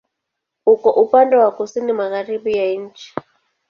Uko upande wa kusini-magharibi ya nchi.